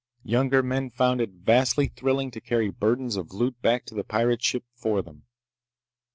Younger men found it vastly thrilling to carry burdens of loot back to the pirate ship for them.